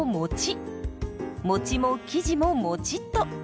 もちも生地ももちっと。